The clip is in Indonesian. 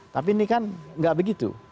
tapi ini kan nggak begitu